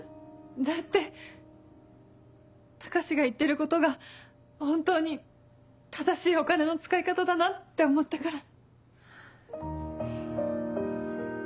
だって高志が言ってることが本当に正しいお金の使い方だなって思ったから。